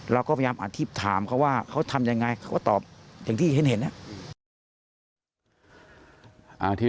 เรื่องราวเหล่านี้